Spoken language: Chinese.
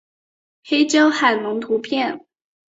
黑胶海龙的图片